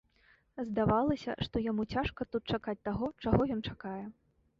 Здавалася, што яму цяжка тут чакаць таго, чаго ён чакае.